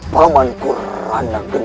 paman kurang ada geni